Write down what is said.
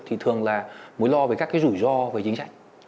thì thường là mối lo về các cái rủi ro về chính sách